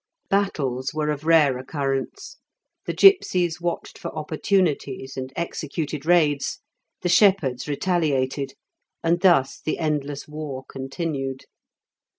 Battles were of rare occurrence; the gipsies watched for opportunities and executed raids, the shepherds retaliated, and thus the endless war continued.